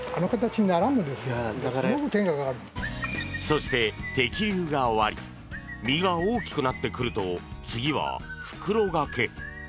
そして、摘粒が終わり実が大きくなってくると次は袋がけ。